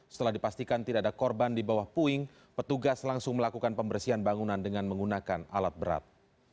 setelah dipastikan tidak ada korban di bawah puing petugas langsung melakukan pembersihan bangunan dengan menggunakan alat berat